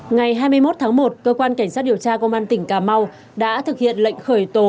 ngày hai mươi một tháng một cơ quan cảnh sát điều tra công an tỉnh cà mau đã thực hiện lệnh khởi tố